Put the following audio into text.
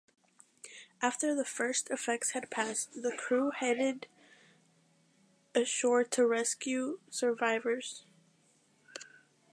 After the first effects had passed the crew headed ashore to rescue survivors.